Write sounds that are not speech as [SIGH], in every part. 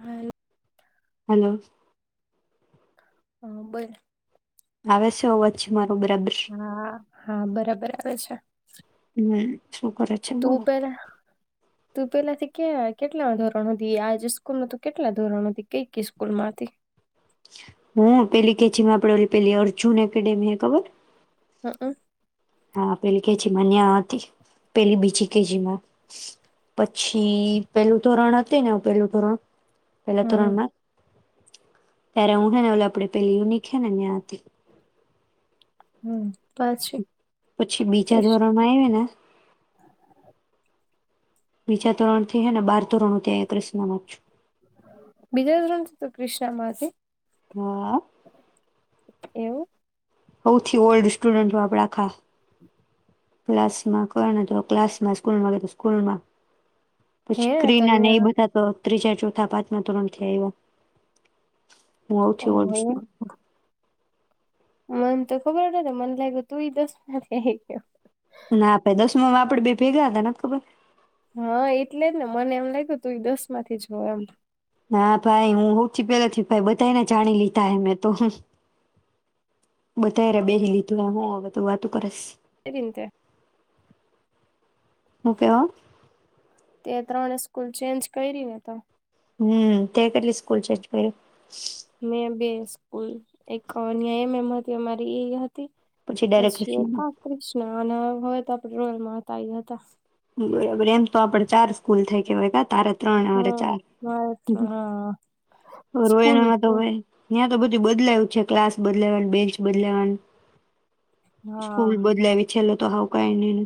હાલ હેલો. હા બોલ. આવે છે અવાજ મારો? બરાબર હા હા બરાબર. કર છે. હમ. શું કર છે તું બોલો. પેલા તું પેલાથી ક્યા કેટલા ધોરણ હતી આજ સ્કૂલ કેટલા ધોરણ [INAUDIBLE] કઈક સ્કૂલ માંથી કે જેમાં આપણે ઓલી પેલી અર્જુન એકેડેમી ખબર હ હ પેલી કેજી માં ન્યા હતી પેલી બીજી કેજી માં પછી પેલું ધોરણ હતુ ને પેલું ધોરણ પેલા હમ ધોરણમાં ત્યારે [UNINTELLIGIBLE] પેલી [UNINTELLIGIBLE] ન્યા હતી. [INAUDIBLE] પછી બીજા ધોરણમાં આઈવીને બીજા ધોરણથી હે ને બાર ધોરણ ત્યાં ક્રિષ્નામાં જ છું બીજા ધોરણથી તુ ક્રિષ્નામાં હતી હા એવું હૌથી ઓલ્ડ સ્ટુડન્ટ હું આપડા આખા ક્લાસમાં કે ને તો ક્લાસમાં સ્કૂલમાં કે તો સ્કૂલમાં હે પછી ક્રીના તને ને એ બધા તો ત્રીજા ચોથા પાંચમાં ધોરણ થી આઇવા હું હવથી ઓહો ઓલ્ડ સ્ટુડન્ટ મને તો ખબર જ નથી મને લાગ્યું તુંય દસમાંથી આયવી હો ના ભય દસમામાં આપડે બે ભેગા હતા નથ ખબર હા એટલે જ ને મને એમ લાગ્યું તું એ દસ માંથી જ હો એમ. ના ભાઈ હું હોથી પેલા થી ભાઈ બધને જાણી લીધા હે મેં તો બધાને બેહી લીધું હું બધું વાતું કરીસ. [UNINTELLIGIBLE] હું કેવા તે ત્રણે સ્કૂલ ચેન્જ કરી ને તો. હમ્મ તે કેટલી સ્કૂલ ચેન્જ કરી. મેં બે સ કોઈ એક [UNINTELLIGIBLE] એમ એમ હતી અમારી હત પછી ડાયરેક્ટ પછીખા કૃષ્ણ અન હવેત [UNINTELLIGIBLE] રોલમાં હતાઈ હતા. [INAUDIBLE] આપડ ચાર સ્કૂલ થઈ કેવાય કા તારે ત્રણ અમારે હા ચાર ભારત હા રોય ન સ્કૂલ તો હતું હવે [INAUDIBLE] બધું બદલાયું છે ક્લાસ બદલાયો બેન્ચ બદલાવાનિ હા સ્કૂલ બદલાવી છેલ્લે. તો હાવ કઈ નઈ ને.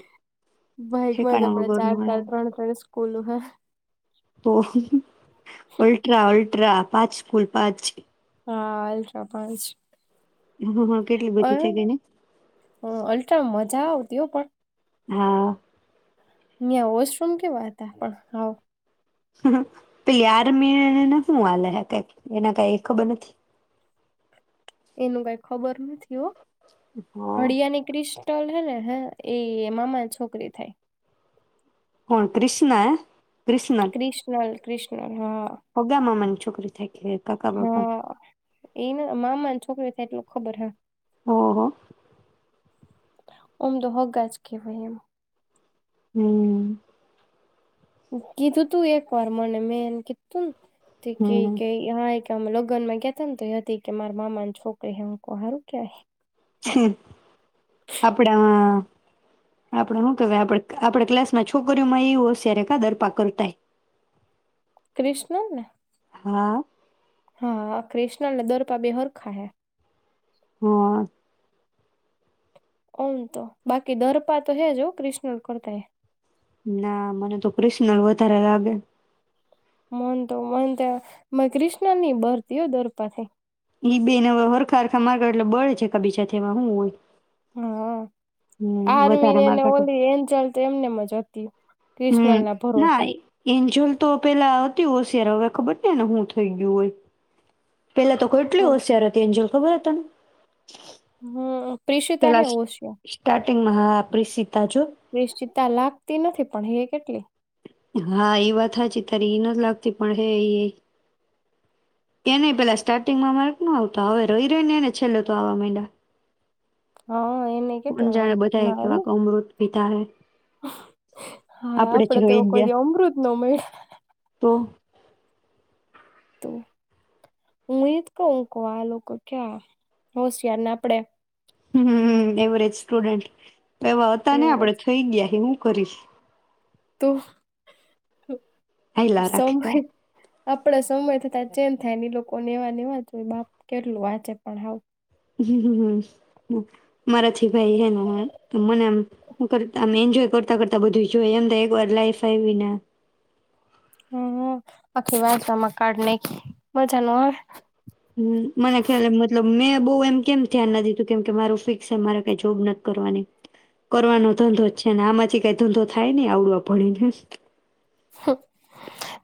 [INAUDIBLE] બાઇકમાં જ ઠેકાણા આપડે ચાર વગરનું ચાર ત્રણ ત્રણ સ્કૂલમાં તો ઓલ્ટ્રા અલ્ટ્રા પાંચ કુલ પાંચ. હા અલ્ટ્રા પાંચ. હા હા કેટલી અ બધી થઈ ગઈ ને. તેઓ પણ હા. મ્યાં વોશરૂમ કેવા હતા પણ હાવ. હ હ પેલી આરમીને એને શું હાલે હ કઈક એના કઈ એ ખબર નથી. એનું કઈ ખબર નથી હો. હા હળિયા ક્રિશટલ હે ને. હા એ મામા છોકરી થાય. કોણ ક્રિષ્ના? કૃષ્ણ. કૃષ્ણ. હગા મામા છો કરી થાય. કે કાકા બાપા હા એને મામાને છોકરી એટલું ખબર હે. હ હ. ઓમ તો હગાજ કેવાય એમ. હમ્મ. કીધું તું એક વાર મને મે એમ કીધું તું ને તો ક્યે ઈ હમ ક્યે હા ઈ ક્યે અમે લગ્ન માં ગયાતા ને તો ઈ હતી કે મારા મામાની છોકરી હે હું ક્વ હારુ કેવાય આપણામાં આપડે શું કેવાય આપડે આપડા ક્લાસમાં છોકરીઓમાં ઈ હોશિયાર હે કા દર્પા કરતાય ક્રિશનલ ને હા હા ક્રિશનલ ને દર્પા બેય હરખા હે હા ઓમ તો બાકી દર્પા તો હે જ હો ક્રિષ્નલ કરતાય ના, મને તો કૃષ્ન વધારે વાગે. મન તો મનત મેં ક્રષ્ણની બરતી હો દરપાથી. બે ન હવે હરખા હરખા માર્ગ એટલે બળે છે. એકાબીજાથી એમાં હું હોય. હા. હમ વધારે આર્મીને ને માર્ક હતું ઓલી એન્જલ તો એમનેમજ હતી. હમ ક્રિશ્નલ ના ભરોસે. એન્જલ તો પેલા હતી હોશિયાર. હવે ખબર નય એને હું થઈ ગ્યું હોય. પેલા તો કેટલી હોશિયાર હતી એન્જલ. ખબર એ તને? હં. પ્રેેશિત આહે ઓવશિયા. ઈ મહા પ્રિસિ્ નિશ્ચિતા લાગતી નથી પણ હે કેટલી. હા, ઈ વાત હાચી તારી ઈ નથ લાગતી. પણ, હે ઈ એય. એનેય પેલા સ્ટાર્ટિંગમાં માર્ક નો આવતો. હવે રહી રહી ને એને છેલ્લે તો આવા મયન્ડા. હા. એને કોણ કેટલા જાણે માર્ક બધા એ ના એટલે કેવાક અમૃત પી ધા હે. હા આપડે જ તોવ રહી એવો કોઈ ગયા દિ અમૃત નો મળ્યા. તો હું એ જ કઉ આ લોકો ક્યાં હોશિયાર ને આપડે. હમ્મ એવરેજ સ્ટુડન્ટ. એેવા હતા એ ને આપડે થઈ ગયા એ હુ. કરીશ. તો? [UNINTELLIGIBLE] આપડે સમય થતા ચેન્જ થાય ને એલોકો એવા નેવાજ હોઈ બાપ કેટલું વાંચે પણ હાઉ. હમ્મ મારાથી ભાઈ હેને મનેમ [UNINTELLIGIBLE] એન્જોય કરતા કરતા બધું જોય એમ તો એક વાર લાઈફ આવીને. હમ આખી વાચવામાં કાડી નાખી મજા ન આવે. હમ્મ મને ખ્યાલ મતલબ મે. બોવ એમ કેમ ધ્યાન ના દીધું કેમ કે મારું ફિક્સ જ મારે કઈ જોબ નથી કરવાની કરવાનો ધંધો જ છે ને આમાંથી કઈ ધંધો થાય નહી આવડો પડીને.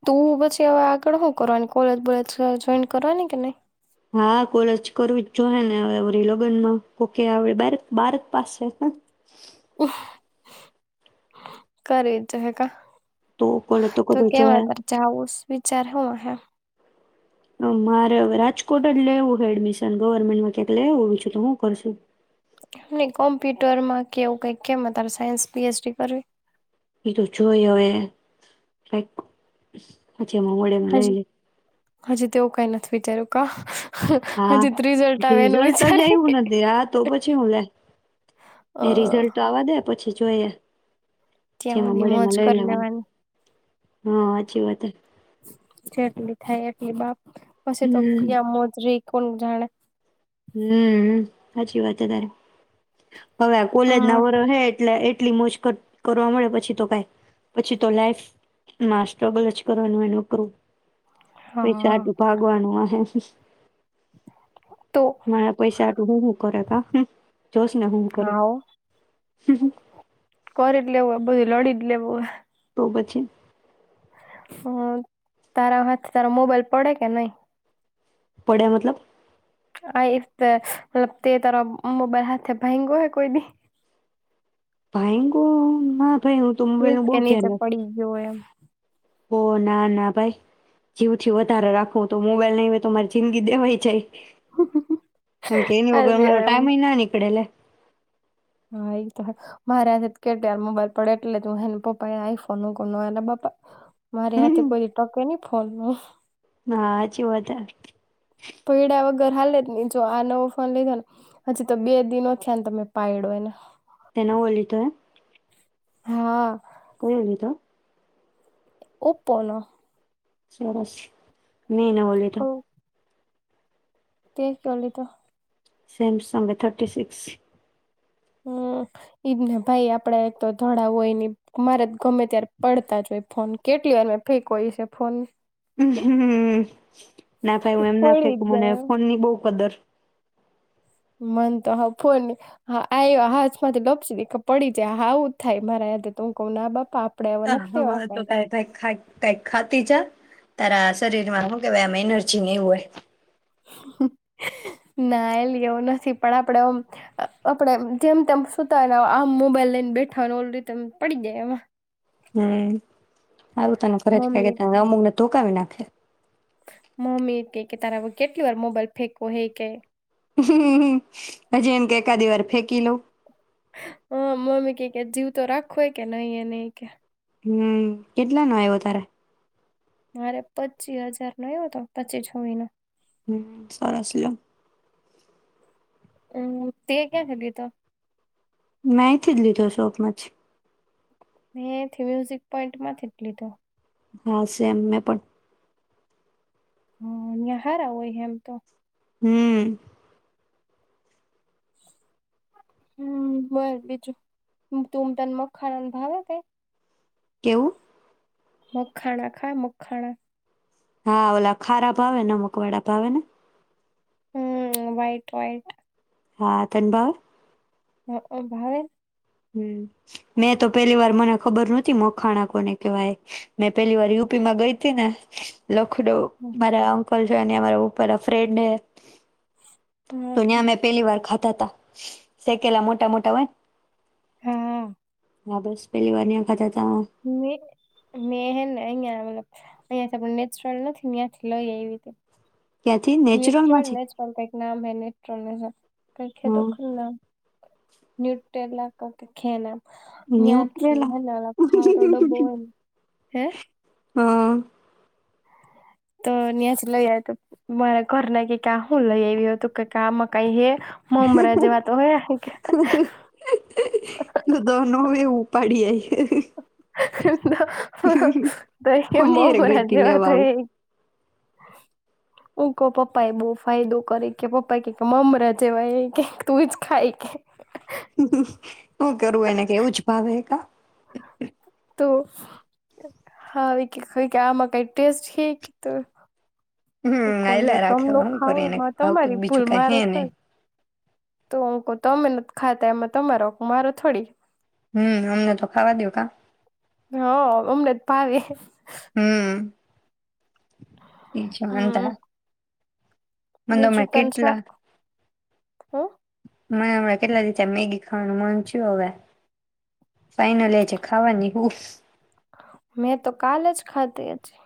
તું પછી હવે આગળ હુ કરવાની કોલેજ બોલેજ જોઈન કરવાની કે નઈ. હા કોલેજ કરવીજ જોઈએ ને વેરી લગ્નમાં કોકે અવે બારચ પાસ હ [INAUDIBLE] [UNINTELLIGIBLE] તો કોલેજ તો કરવી જોહે કેવાત [UNINTELLIGIBLE] વિચાર હુ ઓહે મારે હવે રાજકોટ જ લેવું હ એડમિશન ગવર્મેન્ટમાં ક્યાંક લે એ પછું તો હું કરશું. ની કોમ્પ્યુટરમાં કેવું કઈક કેમ અ તારે સાયન્સ પી એચ ડી કરવી એ તો જોયે હવે કાઈક જેમાં મળે એમાં હજી લઈ હજી તેવું કઈ નથી વિચાર્યું કા હા હજી આવે એનું રિઝલ્ટ જ વિચારી આવું નથી આ તો પછી હું લે એ અ રિઝલ્ટ આવા દે પછી જોયે ત્યાં હુધી મોજ કર લેવાની હા સાચી વાત જેટલી થાય એટલી બાપ પછી તો હમ ક્યાં [UNINTELLIGIBLE] કોણ જાણે હમ સાચી વાત છે તારે હવે કોલેજ હમ ના વરહે એટલે એટલી મોજ કરવા મળે પછી તો ક પછી તો લાઈફમાં સ્ટ્રગલ જ કરવાનું એ ન કરું હા પૈસાટું ભાગવાનું આ [INAUDIBLE] તો મારે પૈસાટું હુંું કરે ક જોશ ને હું કરે હમ કોરીટ લેવું હ બધું લડી લેવું હ તો પછી હમ તારા હાથ તારા મોબાઈલ પડે કે નહી પડ્યા મતલબ આ મલ તે તાર મોબાઈલ હાથે ભેંગો હોય કોઈ દી ભયકો ના ભાઈ હું તો મોબાઈલ ફસ નું કે નીચે પડી ગયો એ [INAUDIBLE] હો ના ના ભાઈ જીવ થી વધારે રાખવું તો મોબાઈલ નવે તો મારી જિંદગી દેવાય જાય તમકે એની હોગ મારો એમ ટાઈમ ના કડ લ હા એ તો મારે આ કેટયાર મોબાઈલ પડે એટલે જ હુંને પપ્પા એ આઈફોન મૂક ન પપા મારે આથે હમ, કોઈ ટકે નહી ફલમાં હા સાચી વાત હ પૈડા વગર હાલે જ નહી જો આ નવો ફોન લીધો ને હજી તો બે દિનો થયા ને તમે પાયડો એને. તે નવો લીધો હે. હા. કયો લીધો? ઓપો નો. સરસ. નિ નવો લીધો. તે ત લીધો. સેમસંગે થર્ટી સીક્સ. હમ ઈજ ને ભાઈ આપડ એક તો ધડા હોય નને મારે ગમે ત્યારે પડતા જ હોય ફોન કેટલી વાર ફેંક હોય છે ફોન હમ હમ. ના ભાઈ હું એમ ના પડી ફેકુ જ મને જાય ફોન ની બવ કદર. મન તો હાવ ફોન હા આયવા આ હાથમાંથી લપસી દે પડી જાય હાવ આવું હું જ થાય મારા હાથે તો હું ક્વ ના બાપા આપડે હવે હ નથી હ હ લેવા તો કઈ કંઈક ખાતી જા. તારા શરીરમાં શું કેવાય આમ એનર્જી નઈ હોય. ના એલી એવું નથી પણ આપડે એમ આપડે જેમ તેમ સુતાય આમ મોબાઈલ લઈને બેઠાનું ઓલુ રીતે પડી જાય એમાં. હમ. હારું તને ઘરેથી કાંઈ મમ્મી કેતા નથી અમુક ને તો ધોક ધોકાવી નાખે. મમ્મી એ કે કે તારા હવે કેટલી વાર મોબાઈલ એ કે. હ હજી એને કય એકાદી વાર ફેંકી લવ. હા મમ્મી કે કે જીવ તો રાખવોય કે નહી એ નહી ઈ કે. હમ કેટલા નો આવ્યો તારે. મારે પચી હજાર નો આવ્યો હતો પચીસ છવીનો. હમ સરસ લ્યો. હમ તે ક્યાંથી લીધો. મે આંયથી જ લીધો શોપમાંથી. મે આયથી મ્યુઝિક પોઈન્ટ માંથી જ લીધો. હા સેમ મેં પણ. હ ન્યાં હારા હોય એમ તો. હમ. હમ બોલ બીજું તુંમ તને મગ ખણનું ભાવ કઈ? કેવું મખાણા ખાય મખાણા હા ઓલા ખારા ભાવે નમક વાળા ભાવેને. હમ વઈટ વઈટ હા તને ભાવે? હક ભાવે. હમ મેં તો પેલી વાર મને ખબર નતી મખાણા કોને કેવાય મેં પેલી વાર યુપી માં ગઈ હતીને લખડું મારા અને જો અમારા ઉપર ફ્રેન્ડ તો હા ત્યાં મે પહેલી વાર ખાતાતા શેકેલા મોટા મોટા હોય હા હા બસ પેલી વાર ખાધા તા મે મે હે ને અઇઆ અહીયાંથી આપડ નેચરલ નથીને ત્યાંથી લઈએ એવી રીતે ક્યાંથી નેચરલમાં ન્યુટ્રોલ છે નેચલ કઈક નામ હૈ છે [INAUDIBLE] હમ [UNINTELLIGIBLE] ન્યૂટલા ક ખેના ત્યાંથી ન્યુટ્રેલા હે ખારો ડબ્બો હોય હે હ તો ન્યાંથી જ લઈ આવીતી મારા ઘરના ક્યે કે આ હું લઈ હો તુ તો કે આમાં કાંઈ હે. મમરા જેવા તો હે કે તુ તો નો હોય એવુ પાડી આય તો તો ઈ કે કોની હારે મમરા ગઈ તી જેવા લેવા તો આવું હેય હું કઉ પપ્પા એ બઉ ફાયદો કરે ઈ કે પપ્પા એ ક્યે કે મમરા જેવા હે એ કે તું જ ખાય ઈ કે હું કરવું એને કે એવું જ ભાવે હે કા તો હાવ ઈ કે ઈ કે આમાં કઈ ટેસ્ટ હે ઈ કે હમ કોલ્યો હાલ્યા તમ રાખે ન હવે હું ખાવ કરી એને એમાં કઈ ભાવતું તો તમારી ભૂલ બીજું કઈ મારો હે નહી થાય તો હું ક્વ તમે નથ ખાતા એમાં તમારો વાંક મારો થોડી હમ અમને તો ખાવા દ્યો કા હ અમને તો ભાવે હમ એ જ વાંધા હમ હે બીજું તને શાક હમ મને હમણાં કેટલા દી થયા મેગી ખાવાનું મન થયું હવે ફાઈનલી આજે ખાવાની હું મેં તો કાલે જ ખાધી હજી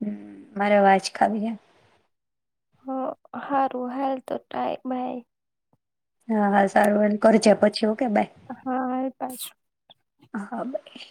હમ મારે હવે આજ ખાવી હે હ હારું હાલ તો ટાય બાય હા હ. સારું એ કરજે પછી હ કે ભાઈ હા હાલ બાય હા બાઈ